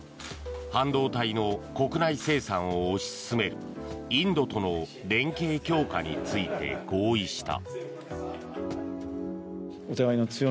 半導体の国内生産を推し進めるインドとの連携強化について合意した。